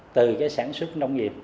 từ sản xuất nông nghiệp